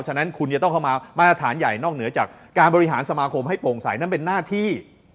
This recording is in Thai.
ฉะนั้นคุณจะต้องเข้ามามาตรฐานใหญ่นอกเหนือจากการบริหารสมาคมให้โปร่งใสนั่นเป็นหน้าที่